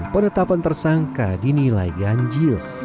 penetapan tersangka dinilai ganjil